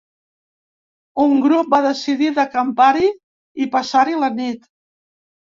Un grup va decidir d’acampar-hi i passar-hi la nit.